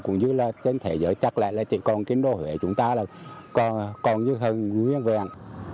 cũng như là trên thế giới chắc lại là chỉ còn kinh đô huế chúng ta là còn như hơn nguyên vẹn